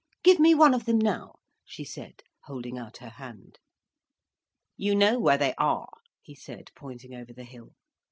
Give me one of them now," she said, holding out her hand. "You know where they are," he said, pointing over the hill.